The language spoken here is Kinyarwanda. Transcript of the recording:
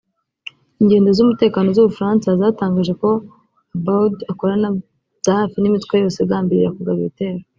Inzego z’umutekano z’u Bufaransa zatangaje ko Abaaoud akorana bya hafi n’imitwe yose igambirira kugaba ibitero